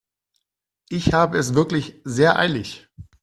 Ich habe es wirklich sehr eilig.